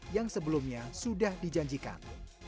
yang sebelumnya sudah dijanjikan